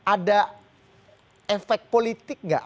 ada efek politik nggak